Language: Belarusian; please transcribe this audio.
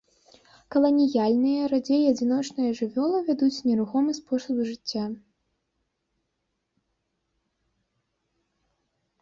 Каланіяльныя, радзей адзіночныя жывёлы, вядуць нерухомы спосаб жыцця.